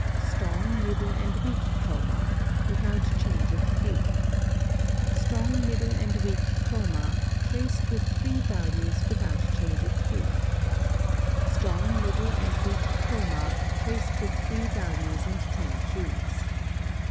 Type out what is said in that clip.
_ Strong, middle, and weak chroma (without change of hue). Strong, middle and weak chroma (traced with three values without change of hue). Strong, middle, and weak chroma (traced with three values and ten hues).